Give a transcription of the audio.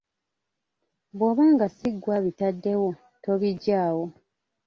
Bw’oba nga si gwe obitaddewo, tobiggyaawo.